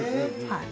はい。